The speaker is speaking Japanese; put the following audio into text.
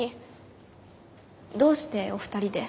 どうしてお二人で？